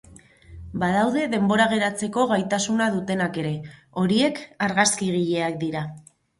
Badaude denbora geratzeko gaitasuna dutenak ere, horiek argazkigileak dira.